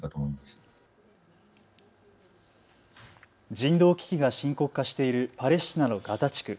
人道危機が深刻化しているパレスチナのガザ地区。